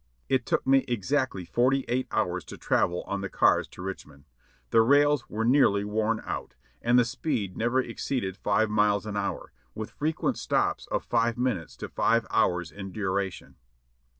It took me exactly forty eight hours to travel on the cars to Richmond ; the rails were nearly worn out, and the speed never exceeded five miles an hour, with frequent stops of five min utes to five hours in duration.